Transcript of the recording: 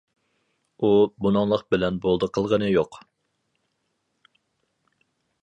ئۇ بۇنىڭلىق بىلەن بولدى قىلغىنى يوق.